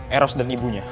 eros dan ibunya